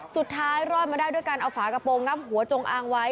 สุดท้ายรอดมาได้ด้วยการเอาฝากระโปรงับหัวจงอางไว้